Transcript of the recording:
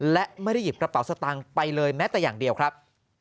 และไม่ได้หยิบกระเป๋าสตางค์ไปเลยแม้แต่อย่างเดียวครับ